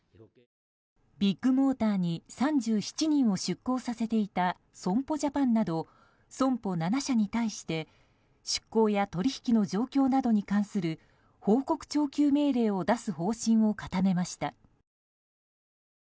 ビッグモーターに３７人を出向させていた損保ジャパンなど損保７社に対して出向や取引の状況などに対する報告徴求命令を出す方針を固めました。